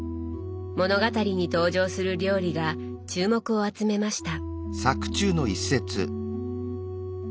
物語に登場する料理が注目を集めました。